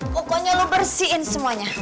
pokoknya lo bersihin semuanya